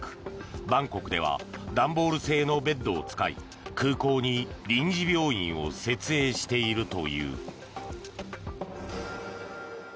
バンコクでは段ボール製のベッドを使い空港に臨時病院を設営しているという。